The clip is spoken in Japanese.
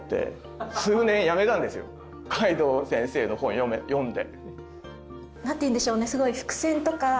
海堂先生の本読んで。